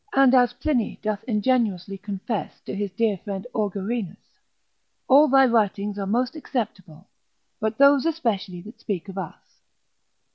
And as Pliny doth ingenuously confess to his dear friend Augurinus, all thy writings are most acceptable, but those especially that speak of us.